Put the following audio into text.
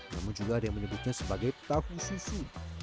namun juga ada yang menyebutnya sebagai tahu sisi